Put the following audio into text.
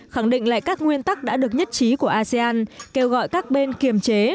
khẳng định lại các nguyên tắc đã được nhất trí của asean kêu gọi các bên kiềm chế